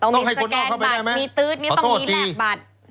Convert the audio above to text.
ต้องมีสแกนบัตรมีตื๊ดมีต้องมีแหลกบัตร